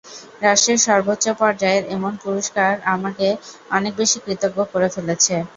রাষ্ট্রের সর্বোচ্চ পর্যায়ের এমন পুরস্কার আমাকে অনেক বেশি কৃতজ্ঞ করে ফেলেছে।